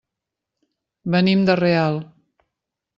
Venim de Real.